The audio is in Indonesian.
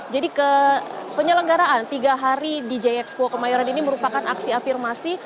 jadi penyelenggaraan tiga hari di g expo kemayoran ini merupakan aksi afirmasi